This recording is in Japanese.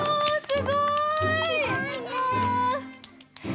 すごいね。